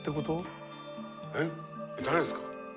えっ誰ですか？